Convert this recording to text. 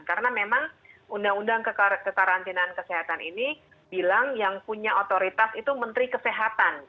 karena memang undang undang kekarantinaan kesehatan ini bilang yang punya otoritas itu menteri kesehatan